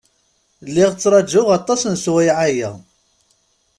Lliɣ ttṛajuɣ aṭas n sswayeɛ-aya.